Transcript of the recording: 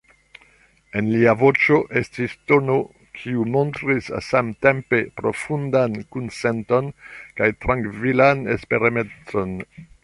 En lia voĉo estis tono, kiu montris samtempe profundan kunsenton kaj trankvilan esperemecon.